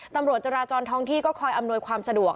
ตำรวจจราจรท้องที่ก็คอยอำนวยความสะดวก